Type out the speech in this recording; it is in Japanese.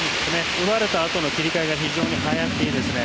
奪われたあとの切り替えが非常に早いですね。